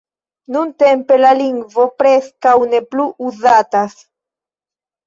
Nuntempe la lingvo preskaŭ ne plu uzatas.